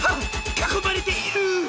かこまれている！